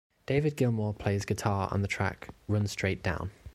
David Gilmour plays guitar on the track Run Straight Down.